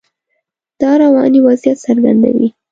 دا رواني وضعیت څرګندوي.